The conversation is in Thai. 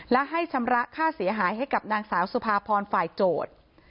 และให้ชำระค่าเสียหายให้กับนางสาวสุภาพรฝ่ายโจทย์